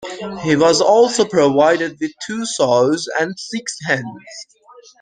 He was also provided with two sows and six hens.